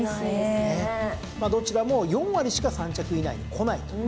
どちらも４割しか３着以内にこないと。